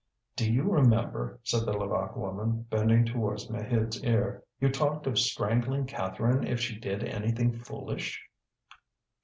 "Do you remember?" said the Levaque woman, bending towards Maheude's ear; "you talked of strangling Catherine if she did anything foolish!"